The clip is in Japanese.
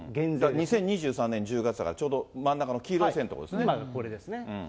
２０２３年１０月だから、ちょうど真ん中の黄色線というところですね。